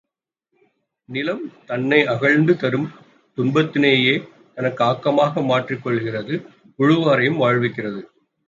நிலம் தன்னை அகழ்ந்து தரும் துன்பத்தினையே தனக்கு ஆக்கமாக மாற்றிக் கொள்கிறது உழுவாரையும் வாழ்விக்கிறது.